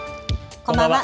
こんばんは。